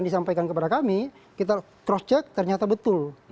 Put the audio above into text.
disampaikan kepada kami kita cross check ternyata betul